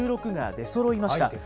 出そろいました。